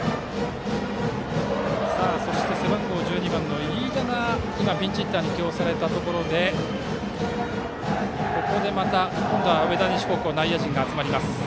そして背番号１２番の飯田が今、ピンチヒッターに起用されたところで今度は上田西高校内野陣が集まります。